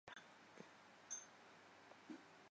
位于市区的努美阿洋红机场提供了国内航班的服务。